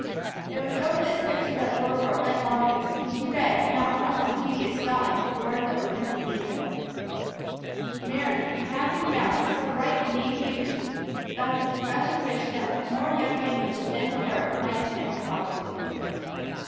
It was over this picture that the little girl bent longest, and she read, not without some tedious spelling, the words that were printed beneath it: "Mary, in cap and gown, was so bright and dainty a vision that the professor wished that more young ladies of gentle birth might attend the college."